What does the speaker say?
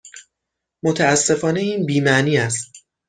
متاسفانه این بی معنی است.